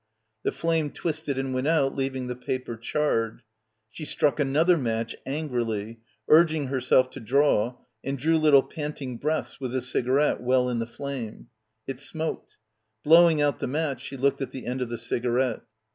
The flame twisted and went out, leaving the paper charred. She struck another match angrily, urging herself to draw, and drew little panting breaths with the cigarette well in the flame. It smoked. Blowing out the match she looked at the end of the cigarette.